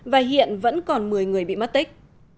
và hiện vẫn còn một mươi người bị mất tích